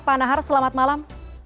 pak nahar selamat malam